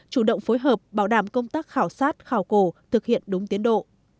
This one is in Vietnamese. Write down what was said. chủ động phối hợp bảo đảm công tác khảo sát khảo cổ thực hiện đúng tiến độ